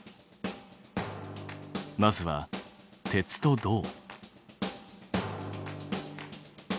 まずは鉄と銅。